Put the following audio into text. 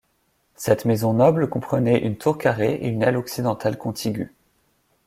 Cette maison noble comprenait une tour carrée et une aile occidentale contiguë.